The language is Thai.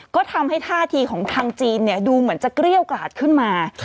ก็ทำให้ท่าทีของทางจีนดูเหมือนจะเกรี้ยวกราดขึ้นมา